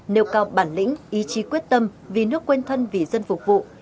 nêu cao bản lĩnh ý chí quyết tâm vì nước quên thân vì dân phục vụ